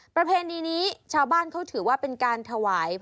ประเพณีนี้ชาวบ้านเขาถือว่าเป็นการถวาย